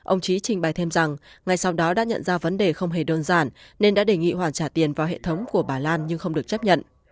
ông trí trình bày thêm rằng ngay sau đó đã nhận ra vấn đề không hề đơn giản nên đã đề nghị hoàn trả tiền vào hệ thống của bà lan nhưng không được chấp nhận